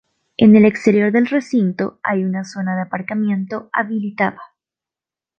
En el exterior del recinto hay una zona de aparcamiento habilitada.